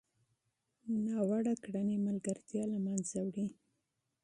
بدرنګه چلند ملګرتیا له منځه وړي